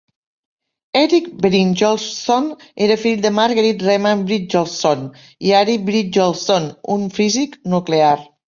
Erik Brynjolfsson era fill de Marguerite Reman Brynjolfsson i Ari Brynjolfsson, un físic nuclear.